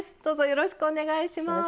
よろしくお願いします。